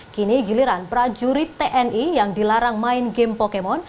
kini giliran prajurit tni yang dilarang main game pokemon